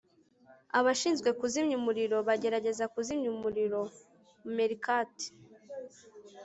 abashinzwe kuzimya umuriro bagerageza kuzimya umuriro meerkat